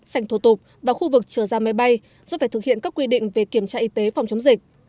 sành thổ tục và khu vực trở ra máy bay do phải thực hiện các quy định về kiểm tra y tế phòng chống dịch